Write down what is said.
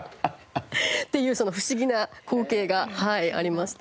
っていう不思議な光景がありました。